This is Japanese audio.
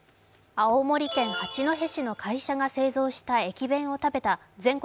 青森県八戸市の会社が製造した駅弁を食べた全国